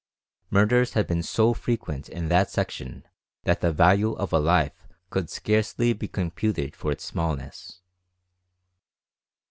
Murders had been so frequent in that section that the value of a life could scarcely be computed for its smallness.